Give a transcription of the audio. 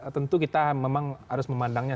tentu kita memang harus memandangnya